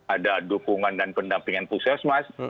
ada dukungan dan pendampingan pusat mas